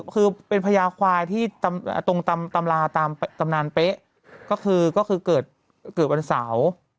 คือเป็นพญาควายที่ตรงตำราตามตำนานเป๊ะก็คือเกิดวันเสาร์